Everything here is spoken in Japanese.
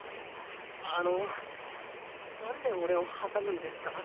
あの何で俺を挟むんですか？